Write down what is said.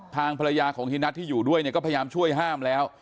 ทางภรรยาของฮีนัทที่อยู่ด้วยเนี่ยก็พยายามช่วยห้ามแล้ว